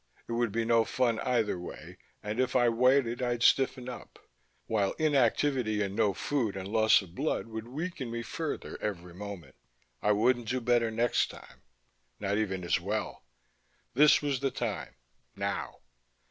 It would be no fun either way and if I waited I'd stiffen up, while inactivity and no food and loss of blood would weaken me further every moment. I wouldn't do better next time not even as well. This was the time. Now.